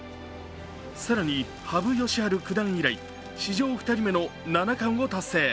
更に、羽生善治九段以来、史上２人目の七冠を達成。